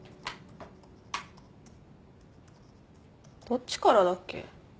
どっちからだっけ？